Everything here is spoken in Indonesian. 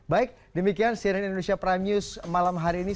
baik demikian cnn indonesia prime news malam hari ini